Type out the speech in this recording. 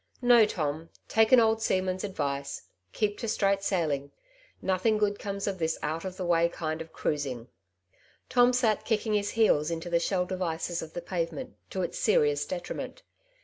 No, Tom, take an old seamen's advice, keep to straight sailing ; nothing good comes of this out of the way kind of cruising." Tom sat kicking his heels into the shell devices of the pavement, to its serious detriment.